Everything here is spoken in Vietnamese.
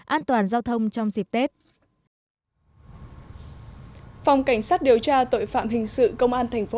an toàn giao thông trong dịp tết phòng cảnh sát điều tra tội phạm hình sự công an thành phố